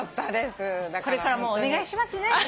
これからもお願いしますね。